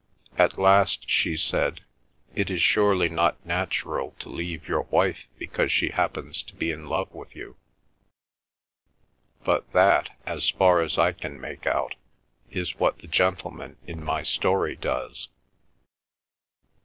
At last she said, "It is surely not natural to leave your wife because she happens to be in love with you. But that—as far as I can make out—is what the gentleman in my story does."